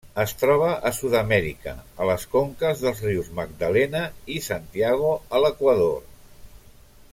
Es troba a Sud-amèrica, a les conques dels rius Magdalena i Santiago a l'Equador.